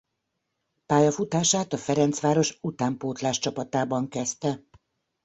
Pályafutását a Ferencváros utánpótláscsapatában kezdte.